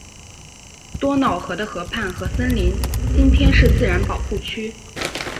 多瑙河的河畔和森林今天是自然保护区。